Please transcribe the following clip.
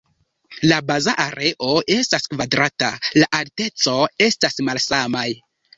La baza areo estas kvadrata, la alteco estas malsamaj.